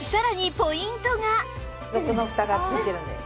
付属のフタがついてるんです。